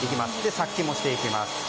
殺菌もしていきます。